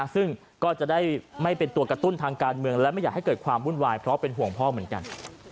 ซึ่งก็จะได้ไม่เป็นตัวกระตุ้นทางการเมืองและไม่อยากให้เกิดความวุ่นวายเพราะเป็นห่วงพ่อเหมือนกัน